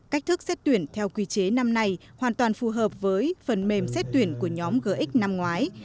cách thức xét tuyển theo quy chế năm nay hoàn toàn phù hợp với phần mềm xét tuyển của nhóm gx năm ngoái